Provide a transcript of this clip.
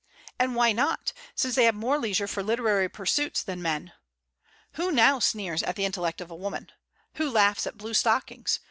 And why not, since they have more leisure for literary pursuits than men? Who now sneers at the intellect of a woman? Who laughs at blue stockings?